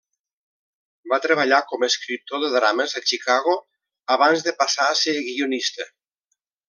Va treballar com escriptor de drames a Chicago abans de passar a ser guionista.